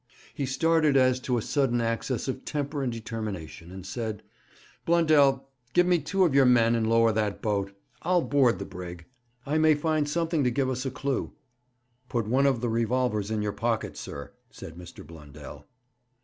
He started as to a sudden access of temper and determination, and said: 'Blundell, give me two of your men, and lower that boat. I'll board the brig. I may find something to give us a clue.' 'Put one of the revolvers in your pocket, sir,' said Mr. Blundell.